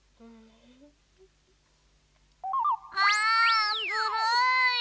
あんずるい。